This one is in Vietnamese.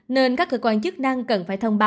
nên các cơ quan chức năng cần phải thông báo